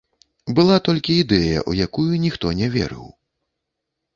Была толькі ідэя, у якую ніхто не верыў.